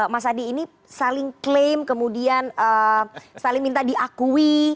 mas adi ini saling klaim kemudian saling minta diakui